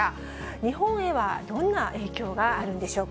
日本へはどんな影響があるんでしょうか。